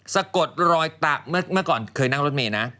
สะกดรอยตาเมื่อก่อนเคยนั่งรถเมย์นะ